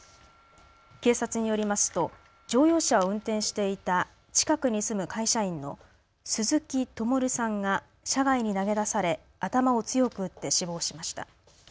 警察によりますと乗用車を運転していた近くに住む会社員の鈴木友瑠さんが車外に投げ出され頭を強く打って死亡しました。